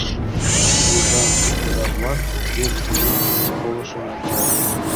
Кугыжан тӧра-влак пеш кугун полышым вучат.